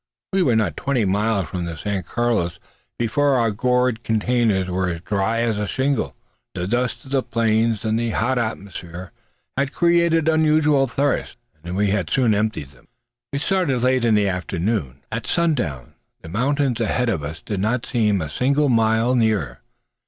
We were not twenty miles from the San Carlos before our gourd canteens were as dry as a shingle. The dust of the plains and the hot atmosphere had created unusual thirst, and we had soon emptied them. We had started late in the afternoon. At sundown the mountains ahead of us did not seem a single mile nearer.